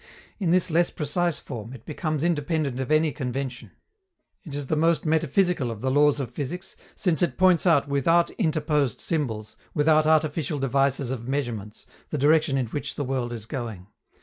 In this less precise form, it becomes independent of any convention; it is the most metaphysical of the laws of physics since it points out without interposed symbols, without artificial devices of measurements, the direction in which the world is going.